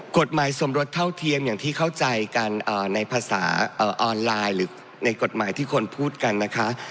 สมรสเท่าเทียมอย่างที่เข้าใจกันในภาษาออนไลน์หรือในกฎหมายที่คนพูดกันนะคะ